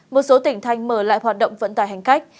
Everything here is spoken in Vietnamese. một số tỉnh thành mở lại hoạt động vận tải hành khách